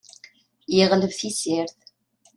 Yeɣleb tisirt.